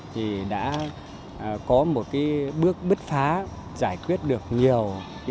thì đã có một bước bứt phá giải quyết được nhiều vấn đề